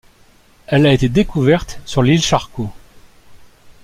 Elle a été découverte sur l'île Charcot.